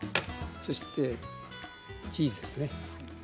そしてチーズですね。